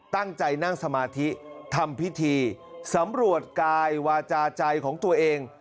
ตั้งใจนั่งสมาธิทำพิธีสำรวจกายวาจาใจของตัวเอง